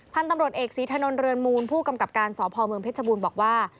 พันธุ์ตำรวจเอกศรีถนนเรือนมูลผู้กำกับการสพเมืองเพชรบูรณ์บอกว่า